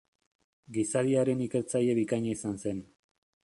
Gizadiaren ikertzaile bikaina izan zen.